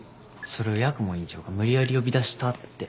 それを八雲院長が無理やり呼び出したって。